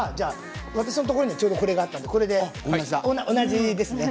私のところにもちょうどこれがあったので同じですね。